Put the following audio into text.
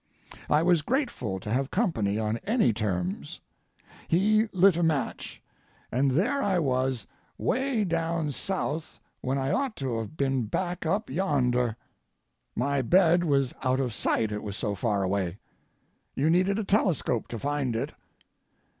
I was grateful to have company on any terms. He lit a match, and there I was, way down south when I ought to have been back up yonder. My bed was out of sight it was so far away. You needed a telescope to find it.